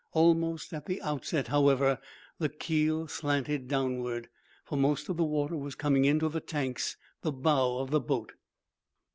Almost at the outset, however, the keel slanted downward, for most of the water was coming into the tanks the bow of the boat.